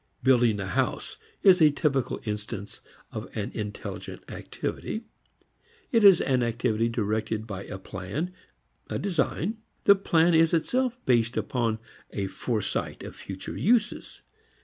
Building a house is a typical instance of an intelligent activity. It is an activity directed by a plan, a design. The plan is itself based upon a foresight of future uses.